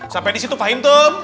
sampai disitu fahim tuh